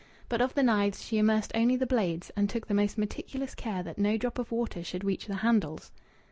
But of the knives she immersed only the blades, and took the most meticulous care that no drop of water should reach the handles.